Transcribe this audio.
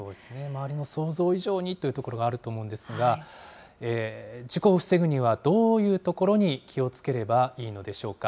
周りの想像以上にというところがあると思うんですが、事故を防ぐにはどういうところに気をつければいいのでしょうか。